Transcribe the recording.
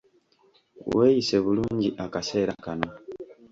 Weeyise bulungi akaseera kano.